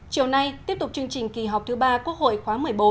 chiều nay tiếp tục chương trình kỳ họp thứ ba quốc hội khóa một mươi bốn